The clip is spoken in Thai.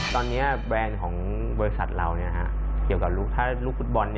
ตอนนี้แบรนด์ของบริษัทเราเกี่ยวกับถ้าลูกฟุตบอล